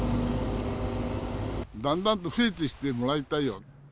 だんだんと増えてきてもらいたいよ。